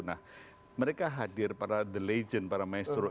nah mereka hadir para the legend para maestro